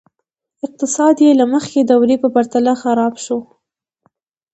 اقتصاد یې له مخکې دورې په پرتله خراب شو.